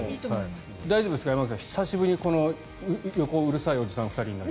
大丈夫ですか、山口さん久しぶりに横、うるさいおじさんになる。